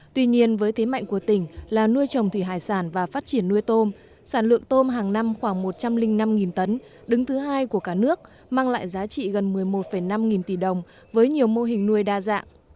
tuy nhiên với thế mạnh của tỉnh là nuôi trồng thủy hải sản và phát triển nuôi tôm sản lượng tôm hàng năm khoảng một trăm linh năm tấn đứng thứ hai của cả nước mang lại giá trị gần một mươi một năm nghìn tỷ đồng với nhiều mô hình nuôi đa dạng